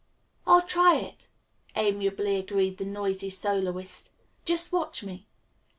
"I'll try it," amiably agreed the noisy soloist. "Just watch me."